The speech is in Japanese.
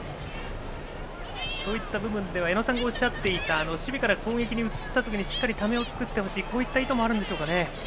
そういった部分では矢野さんがおっしゃっていた守備から攻撃に移った時にしっかりためを作ってほしいこういった意図もあるんでしょうかね。